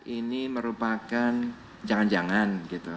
ini merupakan jangan jangan